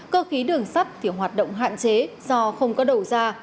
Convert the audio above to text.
cơ khí đường sắt thì hoạt động hạn chế do không có đầu ra